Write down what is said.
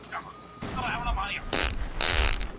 ګډ مېتود معاصر علمي څېړنې پیاوړې کوي.